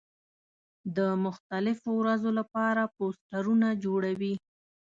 د مختلفو ورځو له پاره پوسټرونه جوړوي.